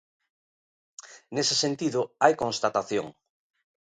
Nese sentido, hai constatación.